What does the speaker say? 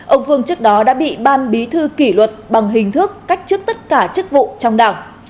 ông vương trước đó đã bị ban bí thư kỷ luật bằng hình thức cách chức tất cả chức vụ trong đảng